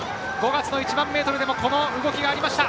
５月の１００００ｍでもこの動きがありました。